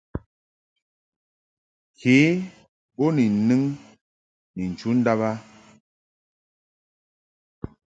Ke bo ni nɨŋ ni chu ndàb a.